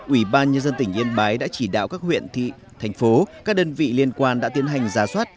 ủy ban nhân dân tỉnh yên bái đã chỉ đạo các huyện thị thành phố các đơn vị liên quan đã tiến hành giá soát